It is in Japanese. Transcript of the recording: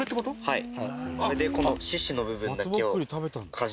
はい。